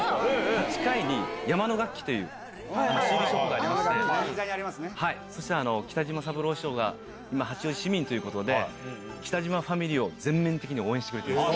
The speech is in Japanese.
８階に、山野楽器というのがありまして、そして北島三郎師匠が今、八王子市民ということで、北島ファミリーを全面的に応援してくれています。